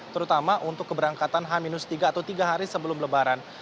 terutama untuk keberangkatan h tiga atau tiga hari sebelum lebaran